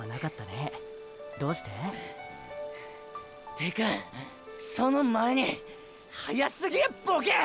てかその前に速すぎやボケ！